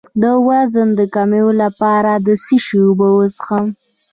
د وزن د کمولو لپاره د څه شي اوبه وڅښم؟